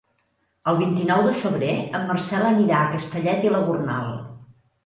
El vint-i-nou de febrer en Marcel anirà a Castellet i la Gornal.